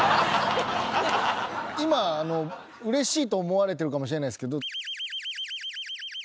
今嬉しいと思われてるかもしれないですけど。